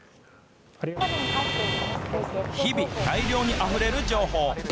日々、大量にあふれる情報。